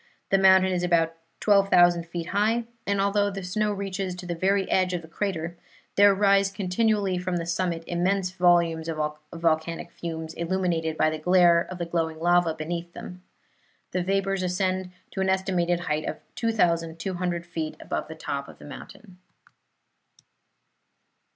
The mountain is about 12,000 feet high, and although the snow reaches to the very edge of the crater, there rise continually from the summit immense volumes of volcanic fumes, illuminated by the glare of glowing lava beneath them. The vapors ascend to an estimated height of 2,200 feet above the top of the mountain.